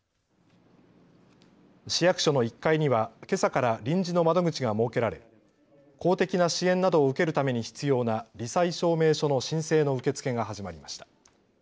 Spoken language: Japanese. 市役所の１階には、けさから臨時の窓口が設けられ公的な支援などを受けるために必要なり災証明書の申請の受け付けが始まりました。